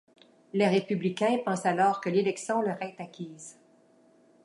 Les républicains pensent alors que l'élection leur est acquise.